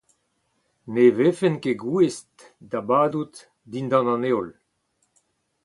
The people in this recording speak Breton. Ne vefen ket gouest da badout dindan an heol.